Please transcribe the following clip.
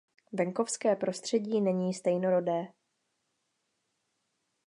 Venkovské prostředí není stejnorodé.